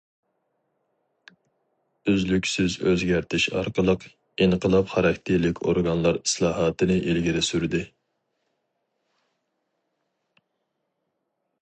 ئۈزلۈكسىز ئۆزگەرتىش ئارقىلىق، ئىنقىلاب خاراكتېرلىك ئورگانلار ئىسلاھاتىنى ئىلگىرى سۈردى.